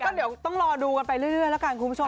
ก็เดี๋ยวต้องรอดูกันไปเรื่อยแล้วกันคุณผู้ชม